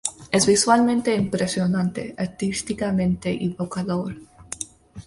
Es visualmente impresionante, artísticamente evocador.